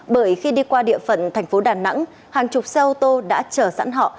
bởi khi đi qua địa phận thành phố đà nẵng hàng chục xe ô tô đã chở sẵn họ